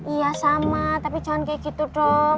iya sama tapi jangan kayak gitu dong